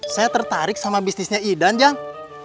saya tertarik sama bisnisnya idan jang